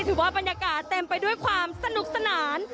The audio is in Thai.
ถือว่าบรรยากาศเต็มไปด้วยความสนุกสนาน